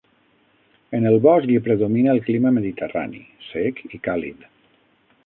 En el bosc hi predomina el clima mediterrani, sec i càlid.